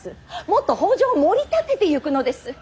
もっと北条をもり立ててゆくのです！